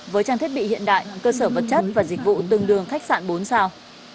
với trang thiết bị hiện đại cơ sở vật chất và dịch vụ tương đường khách sạn bốn sao